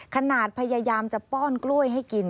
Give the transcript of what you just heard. ขนาดพยายามจะป้อนกล้วยให้กิน